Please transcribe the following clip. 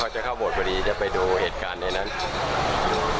ว่ามันรูซีฟอ่ะรูซีฟแล้วก็รูล้องซองเข้าไปในนั้นอ่ะ